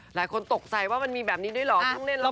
หลายคนตกใจว่ามันมีแบบนี้ด้วยเหรอทุกนิดนึงละครไม่กัน